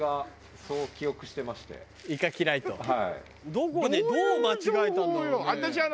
どこでどう間違えたんだろうね。